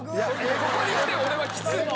ここに来て俺はきつい。